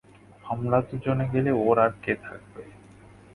আমরা দুজনে গেলে ওঁর আর কে থাকবে?